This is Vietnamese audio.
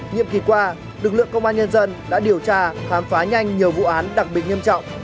nhiệm kỳ qua lực lượng công an nhân dân đã điều tra khám phá nhanh nhiều vụ án đặc biệt nghiêm trọng